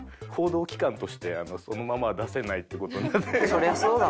そりゃそうだ。